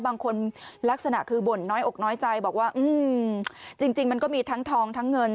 ลักษณะคือบ่นน้อยอกน้อยใจบอกว่าจริงมันก็มีทั้งทองทั้งเงิน